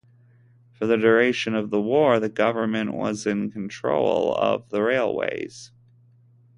For the duration of the War the government was in control of the railways.